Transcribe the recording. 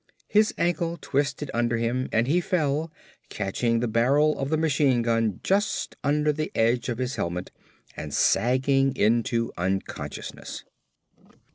His ankle twisted under him and he fell, catching the barrel of the machine gun just under the edge of his helmet and sagging into unconsciousness.